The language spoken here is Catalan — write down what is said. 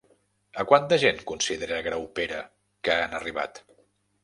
A quanta gent considera Graupera que han arribat?